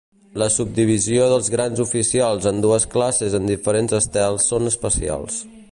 La subdivisió dels grans oficials en dues classes amb diferents estels són especials.